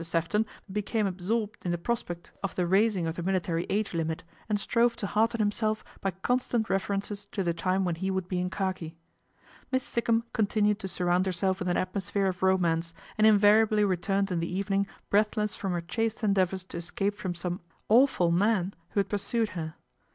Sefton became absorbed in the prospect of the raising 227 228 PATRICIA BRENT, SPINSTER of the military age limit, and strove to hearten himself by constant references to the time when he would be in khaki. Miss Sikkum continued to surround herself with an atmosphere of romance, and invariably returned in the evening breathless from her chaste endeavours to escape from some " awful man " who had pursued her.